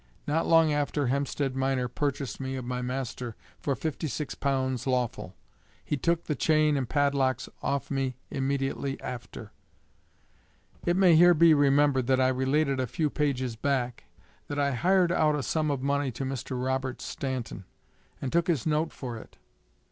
Not long after Hempsted Miner purchased me of my master for fifty six pounds lawful. He took the chain and padlocks off me immediately after. It may here be remembered, that I related a few pages back, that I hired out a sum of money to Mr. Robert Stanton, and took his note for it.